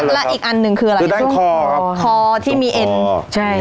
และอีกอันหนึ่งคืออะไรช่วงคอครับคอที่มีเอ็นใช่